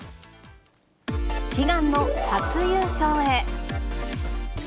悲願の初優勝へ。